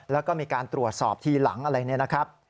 แล้วก็มีการตรวจสอบทีหลังอะไรเนี่ยนะครับ